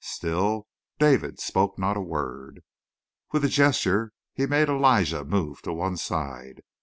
Still David spoke not a word. With a gesture he made Elijah move to one side.